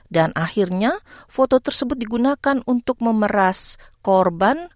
dan akhirnya foto tersebut digunakan untuk memeras korban